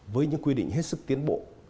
với những quy định hết sức tiến bộ